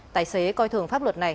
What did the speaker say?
tài xế coi thường pháp luật này